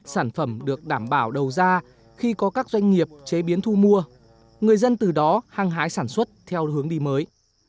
sản phẩm được đảm bảo đầu ra khi có các doanh nghiệp chế biến thu mua người dân từ đó hăng hái sản xuất theo hướng đi mới